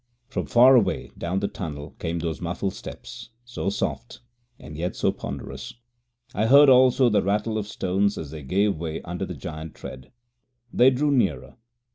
From far away down the tunnel came those muffled steps, so soft and yet so ponderous. I heard also the rattle of stones as they gave way under that giant tread. They drew nearer.